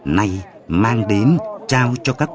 này mang đến chào chào các con gà